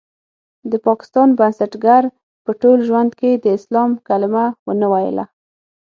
د پاکستان بنسټګر په ټول ژوند کې د اسلام کلمه ونه ويله.